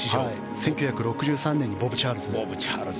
１９６３年にボブ・チャールズ。